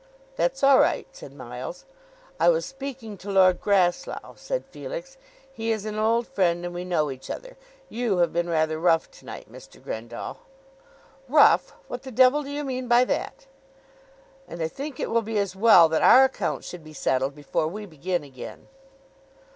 "That's all right," said Miles. "I was speaking to Lord Grasslough," said Felix. "He is an old friend, and we know each other. You have been rather rough to night, Mr. Grendall." "Rough; what the devil do you mean by that?" "And I think it will be as well that our account should be settled before we begin again."